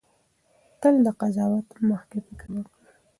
تل له قضاوت مخکې فکر وکړئ.